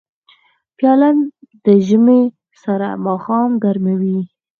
پیاله د ژمي سړه ماښام ګرموي.